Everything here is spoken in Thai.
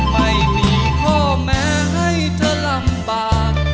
ไม่มีข้อแม้ให้เธอลำบาก